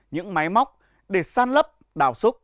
những máy móc để san lấp đảo súc